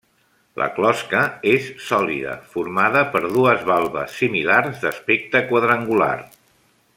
La closca és sòlida formada per dues valves similars d'aspecte quadrangular.